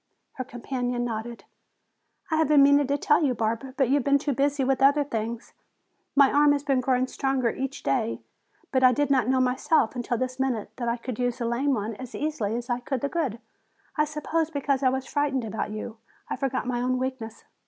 Her companion nodded. "I have been meaning to tell you, Barbara, but you have been too busy with other things. My arm has been growing stronger each day, but I didn't know myself until this minute that I could use the lame one as easily as the good. I suppose because I was frightened about you, I forgot my own weakness."